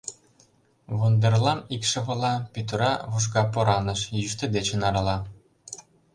Вондерлам икшывыла Пӱтыра вужга пораныш — Йӱштӧ дечын арала.